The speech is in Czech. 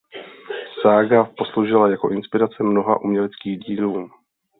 Sága posloužila jako inspirace mnoha uměleckým dílům.